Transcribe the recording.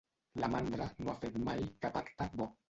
La mandra no ha fet mai cap acte bo.